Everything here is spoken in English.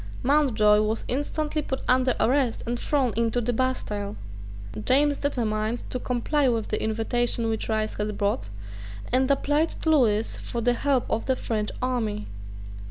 Mountjoy was instantly put under arrest and thrown into the Bastile. James determined to comply with the invitation which Rice had brought, and applied to Lewis for the help of a French army.